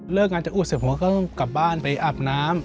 งานจะอวดเสร็จผมก็กลับบ้านไปอาบน้ำ